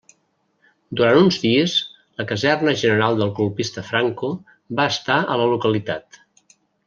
Durant uns dies, la caserna general del colpista Franco va estar a la localitat.